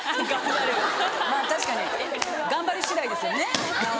確かに頑張り次第ですよね。